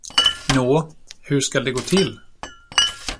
Nå, hur skall det gå till.